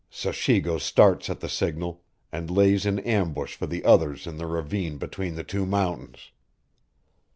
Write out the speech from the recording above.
Sachigo starts at the signal, and lays in ambush for the others in the ravine between the two mountains.